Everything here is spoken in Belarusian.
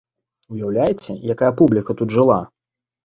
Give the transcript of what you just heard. Уяўляеце, якая публіка тут жыла?